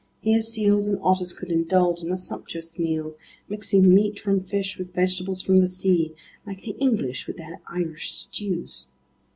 Here seals and otters could indulge in a sumptuous meal, mixing meat from fish with vegetables from the sea, like the English with their Irish stews.